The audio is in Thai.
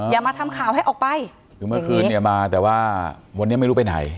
อย่ามาทำข่าวให้ออกไปคือเมื่อคืนเนี่ยมาแต่ว่าวันนี้ไม่รู้ไปไหน